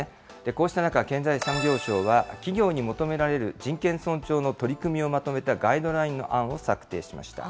こうした中、経済産業省は企業に求められる人権尊重の取り組みをまとめたガイドラインの案を策定しました。